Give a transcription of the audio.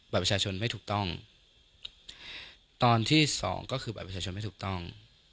ประชาชนไม่ถูกต้องตอนที่สองก็คือบัตรประชาชนไม่ถูกต้อง